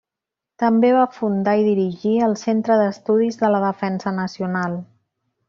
També va fundar i dirigir el Centre d'Estudis de la Defensa Nacional.